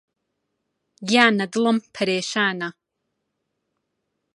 گیانە دڵم پەرێشانە